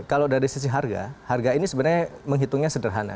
kalau dari sisi harga harga ini sebenarnya menghitungnya sederhana